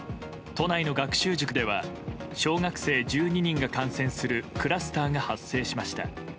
都内の学習塾では小学生１２人がクラスターが発生しました。